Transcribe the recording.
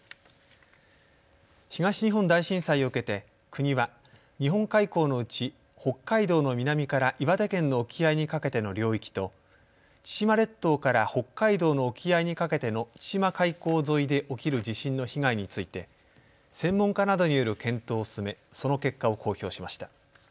東日本大震災を受けて国は日本海溝のうち北海道の南から岩手県の沖合にかけての領域と千島列島から北海道の沖合にかけての千島海溝沿いで起きる地震の被害について専門家などによる検討を進めその結果を公表しました。